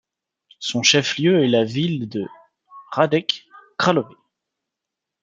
Son chef-lieu est la ville de Hradec Králové.